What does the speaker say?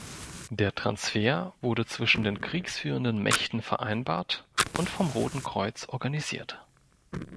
Der Transfer wurde zwischen den kriegführenden Mächten vereinbart und vom Roten Kreuz organisiert.